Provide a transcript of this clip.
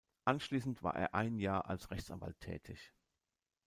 Anschließend war er ein Jahr als Rechtsanwalt tätig.